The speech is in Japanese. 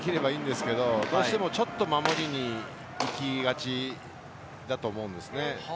同じようにできればいいんですけれど、どうしてもちょっと守りに行きがちだと思うんですね。